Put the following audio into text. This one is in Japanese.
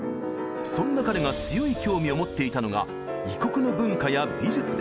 そんな彼が強い興味を持っていたのが異国の文化や美術でした。